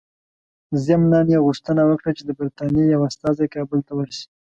ضمناً یې غوښتنه وکړه چې د برټانیې یو استازی کابل ته ورسي.